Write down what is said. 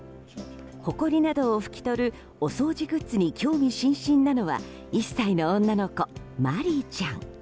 ほこりなどを拭きとるお掃除グッズに興味津々なのは１歳の女の子、マリーちゃん。